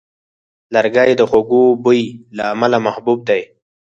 لرګی د خوږ بوی له امله محبوب دی.